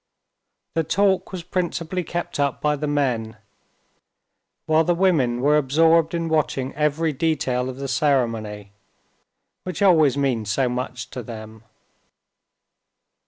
The talk was principally kept up by the men, while the women were absorbed in watching every detail of the ceremony, which always means so much to them.